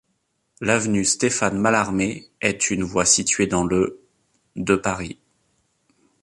L'avenue Stéphane-Mallarmé est une voie située dans le de Paris.